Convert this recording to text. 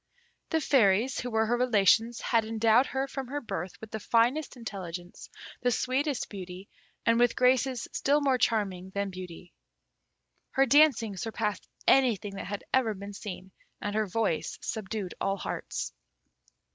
The Fairies, who were her relations, had endowed her from her birth with the finest intelligence, the sweetest beauty, and with graces still more charming than beauty. Her dancing surpassed anything that had ever been seen, and her voice subdued all hearts.